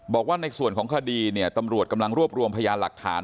บอกว่าในส่วนของคดีเนี่ยตำรวจกำลังรวบรวมพยานหลักฐาน